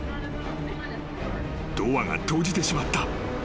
［ドアが閉じてしまった］